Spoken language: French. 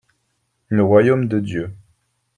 Le Royaume de Dieu.